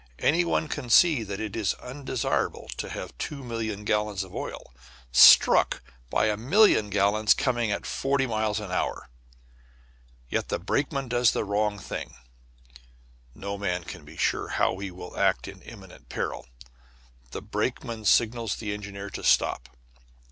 Any one can see that it is undesirable to have two million gallons of oil struck by a million gallons coming at forty miles an hour. Yet the brakeman does the wrong thing (no man can be sure how he will act in imminent peril); the brakeman signals the engineer to stop.